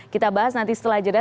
kita bahas nanti setelah jeda